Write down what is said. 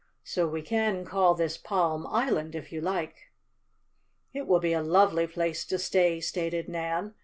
So we can call this Palm Island, if you like." "It will be a lovely place to stay," stated Nan.